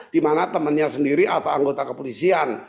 di mana temannya sendiri atau anggota kepolisian